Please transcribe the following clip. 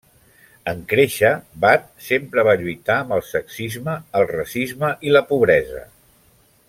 En créixer, Bath sempre va lluitar amb el sexisme, el racisme i la pobresa.